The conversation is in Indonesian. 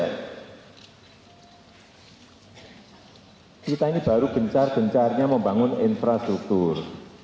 kita ini baru bencar bencarnya membangun infrastruktur